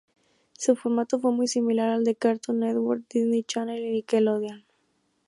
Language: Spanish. Su formato fue muy similar al de Cartoon Network, Disney Channel y Nickelodeon.